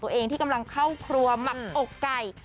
เมื่อกี้กำลังเข้าครัวหมักอกไก่